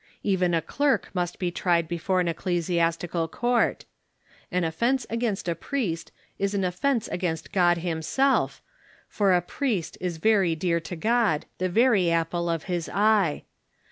Even a clerk must be tried before an ecclesiastical court. An offence against a priest is an offence against God himself, for a priest is verj^ dear to God, the very apple of his eye.